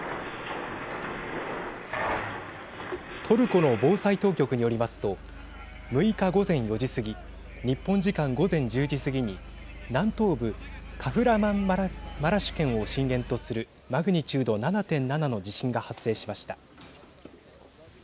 トルコの防災当局によりますと６日午前４時過ぎ日本時間午前１０時過ぎに南東部カフラマンマラシュ県を震源とするマグニチュード７．７の地震が発生しました。